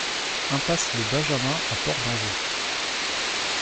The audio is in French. Impasse le Benjamin à Port-d'Envaux